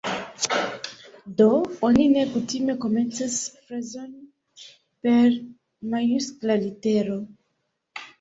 Do, oni ne kutime komencas frazon per majuskla litero.